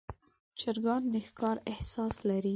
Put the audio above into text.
چرګان د ښکار احساس لري.